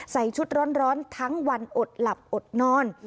ใส่ชุดร้อนทั้งวันอดหลับอดนอน